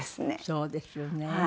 そうですよね。